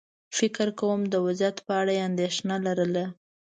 فکر کووم د وضعيت په اړه یې اندېښنه لرله.